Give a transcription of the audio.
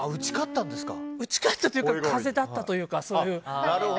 打ち勝ったというか風邪だったというか。